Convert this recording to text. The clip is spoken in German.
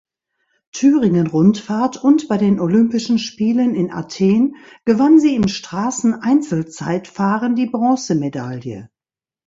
Thüringen-Rundfahrt, und bei den Olympischen Spielen in Athen gewann sie im Strassen-Einzelzeitfahren die Bronzemedaille.